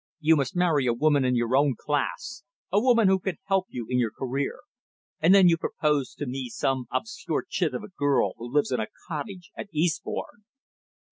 "You must marry a woman in your own class, a woman who can help you in your career. And then you propose to me some obscure chit of a girl, who lives in a cottage at Eastbourne."